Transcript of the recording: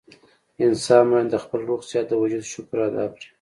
انسان بايد د خپل روغ صحت د وجود شکر ادا کړي